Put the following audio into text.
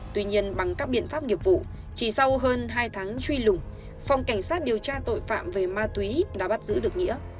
tuy nhiên bằng các biện pháp nghiệp vụ chỉ sau hơn hai tháng truy lùng phòng cảnh sát điều tra tội phạm về ma túy đã bắt giữ được nghĩa